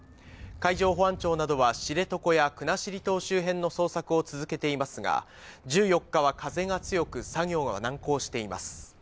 海上保安庁などは、知床や国後島周辺の捜索を続けていますが、１４日は風が強く、作業は難航しています。